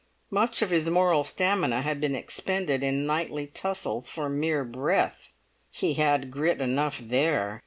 Much of his moral stamina had been expended in nightly tussles for mere breath; he had grit enough there.